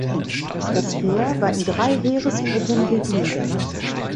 Das Heer war in drei Heeresgruppen gegliedert.